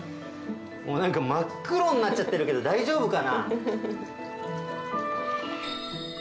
何か真っ黒になっちゃってるけど大丈夫かな？